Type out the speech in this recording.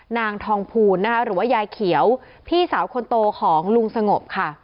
นางทองภูลนะคะหรือว่ายายเขียวพี่สาวคนโตของลุงสงบค่ะ